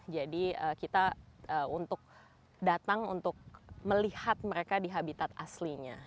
jadi kita untuk datang untuk melihat mereka di habitat aslinya